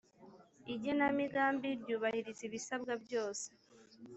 igenamigambi ryubahiriza ibisabwa byose